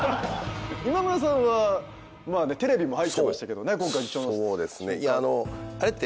今村さんはテレビも入ってましたけどね今回受賞の瞬間。